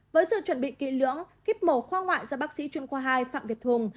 với sự chuẩn bị kỹ lưỡng kíp mổ khoa ngoại do bác sĩ chuyên khoa hai phạm việt hùng